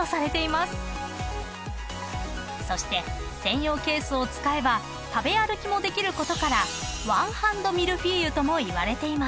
［そして専用ケースを使えば食べ歩きもできることからワンハンドミルフィーユともいわれています］